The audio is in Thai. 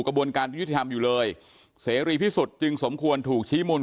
กระบวนการยุติธรรมอยู่เลยเสรีพิสุทธิ์จึงสมควรถูกชี้มูล